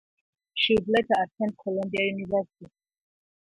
She would later attend Columbia University.